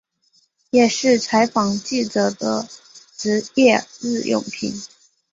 也是采访记者的职业日用品。